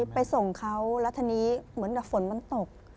ไปส่งเขาแล้วทีนี้เหมือนกับฝนมันตก